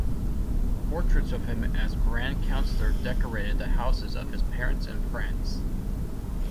Portraits of him as Grand Councellor decorated the houses of his parents and friends.